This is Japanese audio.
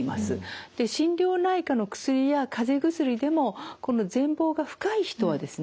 で心療内科の薬や風邪薬でもこの前房が深い人はですね